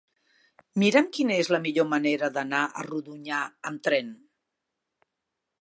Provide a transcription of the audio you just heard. Mira'm quina és la millor manera d'anar a Rodonyà amb tren.